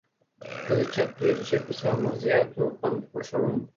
زه د چاکلېټ، چېپس او مغزیاتو خوند خوښوم.